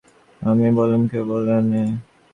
আমি বললুম, কে বললে নেই?